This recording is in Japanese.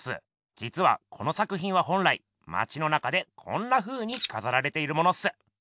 じつはこの作品は本来まちの中でこんなふうにかざられているものっす。